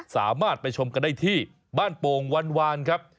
สามารถไปชมกันได้ที่บ้านโป่งวานครับ